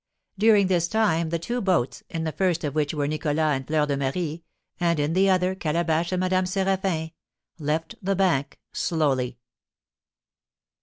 During this time the two boats, in the first of which were Nicholas and Fleur de Marie and in the other Calabash and Madame Séraphin, left the bank slowly.